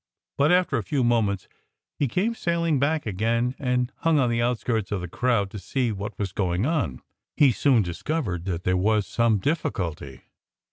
But after a few moments he came sailing back again and hung on the outskirts of the crowd, to see what was going on. He soon discovered that there was some difficulty.